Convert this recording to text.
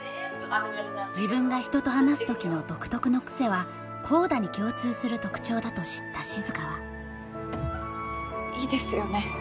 自分が人と話す時の独特の癖はＣＯＤＡに共通する特徴だと知った静はいいですよね